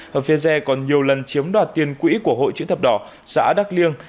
hợp phía dê còn nhiều lần chiếm đoạt tiền quỹ của hội chữ thập đỏ xã đắk liêng